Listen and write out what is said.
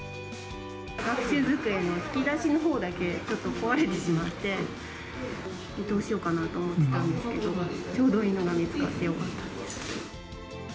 学習机の引き出しのほうだけ、ちょっと壊れてしまって、どうしようかなと思ってたんですけど、ちょうどいいのが見つかってよかったです。